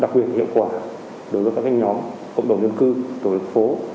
đặc biệt hiệu quả đối với các nhóm cộng đồng dân cư tổ dân phố